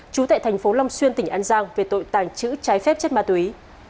trú tại thành phố long xuyên tỉnh an giang về tội tàng trữ trái phép chất ma túy